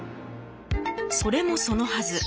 それもそのはず。